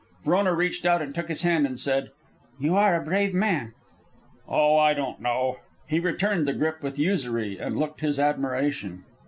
Frona reached out and took his hand, and said, "You are a brave man." "Oh, I don't know." He returned the grip with usury and looked his admiration.